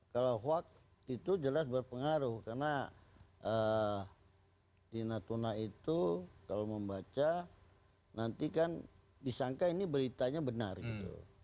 kalau hoax itu jelas berpengaruh karena di natuna itu kalau membaca nanti kan disangka ini beritanya benar gitu